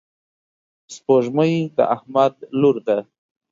سپوږمۍ د احمد لور ده.